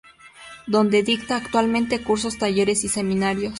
Donde dicta, actualmente, cursos, talleres y seminarios.